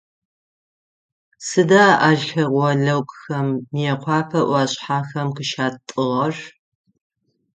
Сыда археологхэм Мыекъуапэ иӏуашъхьэхэм къыщатӏыгъэр?